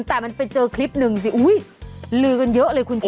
แต่มันไปเจอคลิปหนึ่งสิลือกันเยอะเลยคุณชนะ